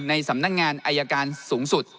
ในสำนักงานอายการสูงสุด